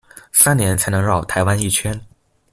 三年才能繞台灣一圈